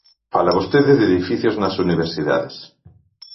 Fala vostede de edificios nas universidades.